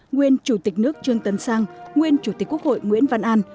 nguyên chủ tịch nước trương tấn sang nguyên chủ tịch quốc hội nguyễn văn an